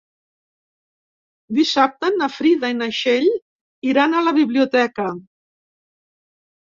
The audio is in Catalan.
Dissabte na Frida i na Txell iran a la biblioteca.